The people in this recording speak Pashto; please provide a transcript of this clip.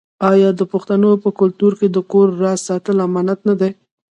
آیا د پښتنو په کلتور کې د کور راز ساتل امانت نه دی؟